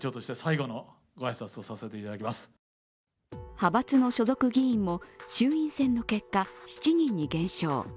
派閥の所属議員も衆院選の結果、７人に減少。